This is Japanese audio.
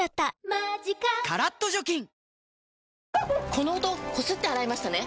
この音こすって洗いましたね？